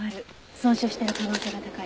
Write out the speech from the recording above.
損傷してる可能性が高い。